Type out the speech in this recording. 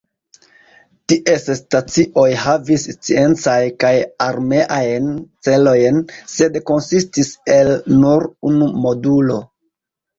Ties stacioj havis sciencajn kaj armeajn celojn sed konsistis el nur unu modulo.